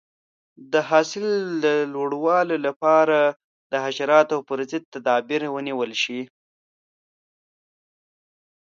د حاصل د لوړوالي لپاره د حشراتو پر ضد تدابیر ونیول شي.